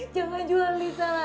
jangan jual risa lagi